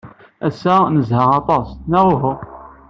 Ass-a, nezha aṭas, neɣ uhu?